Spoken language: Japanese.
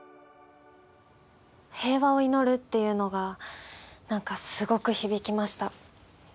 平和を祈るっていうのが何かすごく響きました。